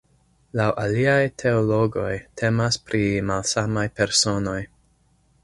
Laŭ aliaj teologoj temas pri malsamaj personoj.